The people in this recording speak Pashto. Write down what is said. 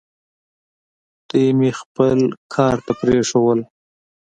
دوی مې خپل کار ته پرېښوول.